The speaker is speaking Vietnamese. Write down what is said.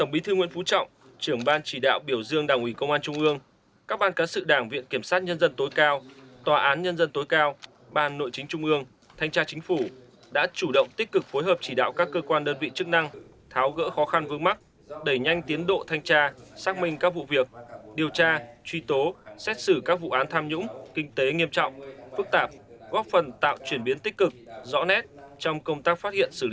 bí thư nguyễn phú trọng trưởng ban chỉ đạo biểu dương đảng ủy công an trung ương các ban cán sự đảng viện kiểm sát nhân dân tối cao tòa án nhân dân tối cao ban nội chính trung ương thanh tra chính phủ đã chủ động tích cực phối hợp chỉ đạo các cơ quan đơn vị chức năng tháo gỡ khó khăn vướng mắt đẩy nhanh tiến độ thanh tra xác minh các vụ việc điều tra truy tố xét xử các vụ án tham nhũng kinh tế nghiêm trọng phức tạp góp phần tạo chuyển biến tích cực rõ nét trong công tác phát hiện xử lý